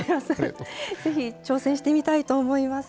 ぜひ挑戦してみたいと思います。